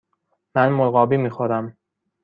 من مرغابی می خورم.